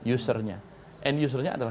usernya and usernya adalah